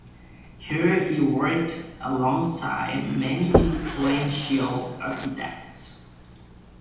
Here he worked alongside many influential architects.